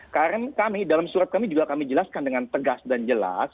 karena kami dalam surat kami juga kami jelaskan dengan tegas dan jelas